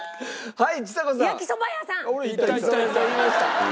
はい。